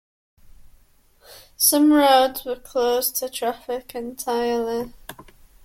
Some roads were closed to traffic entirely.